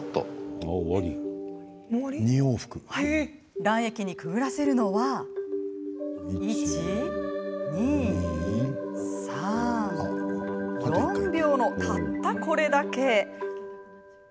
卵液にくぐらせるのは１、２、３、４秒のたったこれだけ。